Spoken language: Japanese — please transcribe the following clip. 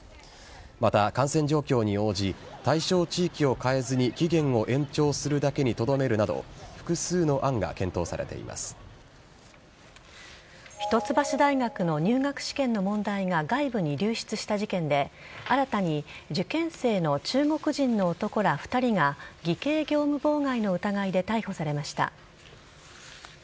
また、感染状況に応じ対象地域を変えずに期限を延長するだけにとどめるなど一橋大学の入学試験の問題が外部に流出した事件で新たに受験生の中国人の男ら２人が偽計業務妨害の疑いで逮捕されました。